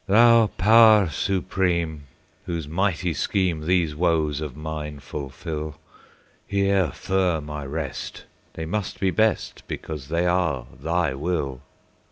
Thou Power Supreme, whose mighty schemeThese woes of mine fulfil, Here firm I rest; they must be best, Because they are Thy will!